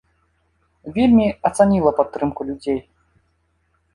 Вельмі ацаніла падтрымку людзей.